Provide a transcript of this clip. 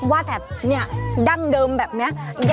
ว่าแต่เนี่ยดั้งเดิมแบบเนี่ย